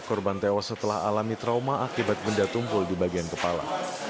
korban tewas setelah alami trauma akibat benda tumpul di bagian kepala